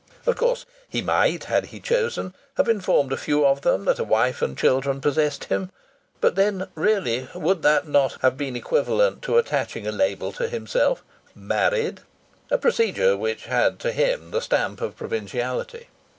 Of course he might, had he chosen, have informed a few of them that a wife and children possessed him, but then really would not that have been equivalent to attaching a label to himself: "Married"? a procedure which had to him the stamp of provinciality.